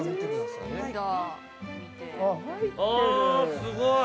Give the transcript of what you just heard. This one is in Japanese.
◆すごい。